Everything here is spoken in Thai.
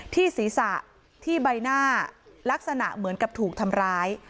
ที่ศีรษะที่ใบหน้าลักษณะเหมือนกับถูกทำร้าย